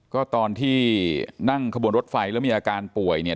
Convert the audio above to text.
ก็ตอนที่นั่งขบวนรถไฟแล้วมีอาการป่วยเนี่ย